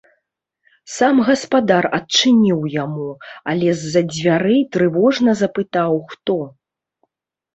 Сам гаспадар адчыніў яму, але з-за дзвярэй трывожна запытаў хто.